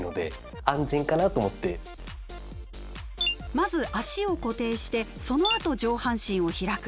まず足を固定してそのあと上半身を開く。